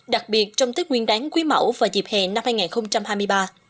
đặc biệt trong tết nguyên đáng quý mẫu và dịp hè năm hai nghìn hai mươi ba